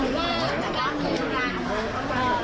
มีจริงครับ